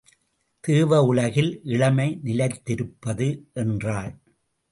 தேவ உலகில் இளமை நிலைத்திருப்பது என்றாள்.